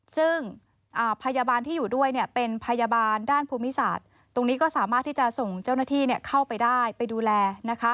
ซึ่งพยาบาลที่อยู่ด้วยเป็นพยาบาลด้านภูมิศาสตร์ตรงนี้ก็สามารถที่จะส่งเจ้าหน้าที่เข้าไปได้ไปดูแล